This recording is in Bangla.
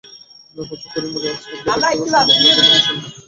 ফয়জুল করিম আজ রোববার দুপুরে এক সংবাদ বিজ্ঞপ্তিতে বিষয়টি নিশ্চিত করেছেন।